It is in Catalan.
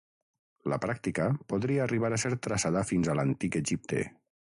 La pràctica podria arribar a ser traçada fins a l'Antic Egipte.